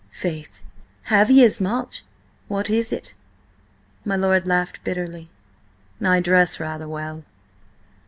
"Faith, have ye as much? What is it?" My lord laughed bitterly. "I dress rather well."